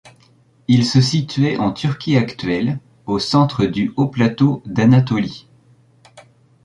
Il se situait en Turquie actuelle, au centre du haut plateau d'Anatolie.